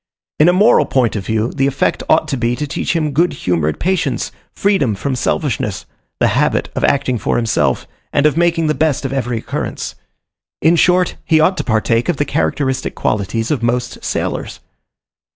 In a moral point of view, the effect ought to be, to teach him good humoured patience, freedom from selfishness, the habit of acting for himself, and of making the best of every occurrence. In short, he ought to partake of the characteristic qualities of most sailors.